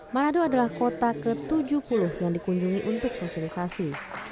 manado adalah kota ke tujuh puluh yang dikunjungi untuk sosialisasi